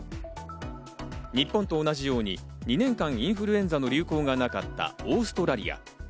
日本と同じように、２年間インフルエンザの流行がなかったオーストラリア。